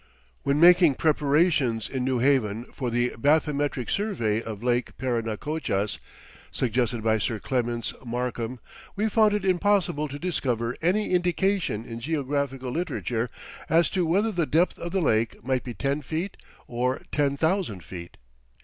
When making preparations in New Haven for the "bathymetric survey of Lake Parinacochas," suggested by Sir Clements Markham, we found it impossible to discover any indication in geographical literature as to whether the depth of the lake might be ten feet or ten thousand feet.